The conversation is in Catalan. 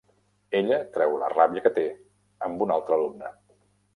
Ella treu la ràbia que té amb un altre alumne.